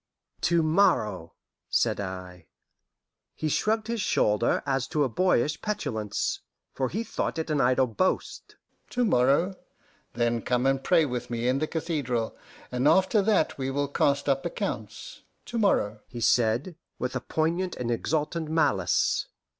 "To morrow," said I. He shrugged his shoulder as to a boyish petulance, for he thought it an idle boast. "To morrow? Then come and pray with me in the cathedral, and after that we will cast up accounts to morrow," he said, with a poignant and exultant malice.